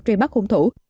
truy bắt hung thủ